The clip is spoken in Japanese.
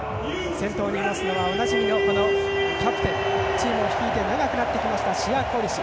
先頭にいますのはおなじみのキャプテンチームを率いて長くなってきましたシヤ・コリシ。